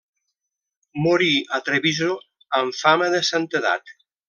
Morí a Treviso amb fama de santedat.